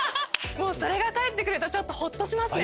もうそれが返ってくるとちょっとホッとしますね